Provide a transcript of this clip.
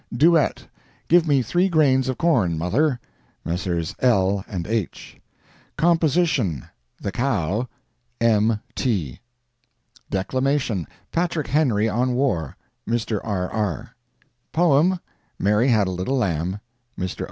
Duett—Give me Three Grains of Corn, Mother ... Messrs. L. & H. Composition—The Cow... "M.T." Declamation—Patrick Henry on War... Mr. R. R. Poem—Mary Had a little Lamb... Mr.